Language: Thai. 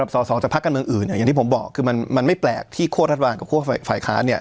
สสจังพรรคกันเมืองอื่นอย่างที่ผมบอกคือมันไม่แปลกที่ข้อรัฐบาลกับข้อฝ่ายค้า